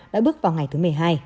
đã bước vào ngày thứ một mươi hai